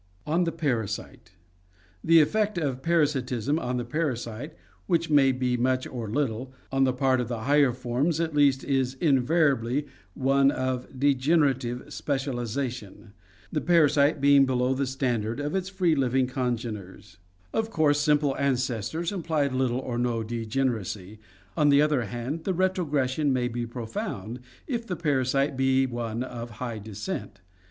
On the Parasite. — The effect of parasitism on the parasite, which may be much or little, on the part of the higher forms at least is invariably one of degenerative specialization, the parasite being below the standard of its free living congeners. Of course, simple ancestors imply little or no degeneracy; on the other hand, the re trogression may be profound if the parasite be one of high descent.